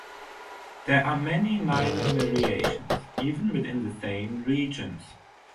There are many minor variations, even within the same regions.